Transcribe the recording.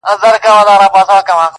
نیمه شپه روان د خپل بابا پر خوا سو!.